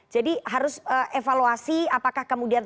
jadi harus evaluasi apakah kemudian